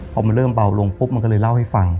พอมันเริ่มเบาลงปุ๊บมันก็เลยเล่าให้ฟัง